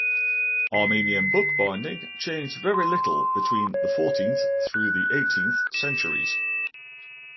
Armenian bookbinding changed very little between the fourteenth through the eighteenth centuries.